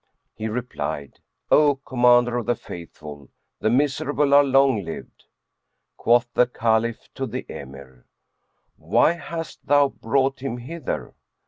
He replied, "O Commander of the Faithful, the miserable are long lived." Quoth the Caliph to the Emir, "Why hast thou brought him hither?"